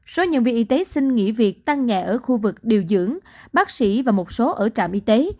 số nhân viên y tế xin nghỉ việc tăng nhẹ ở khu vực điều dưỡng bác sĩ và một số ở trạm y tế